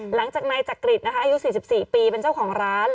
หลังจากนายจักริตนะคะอายุ๔๔ปีเป็นเจ้าของร้าน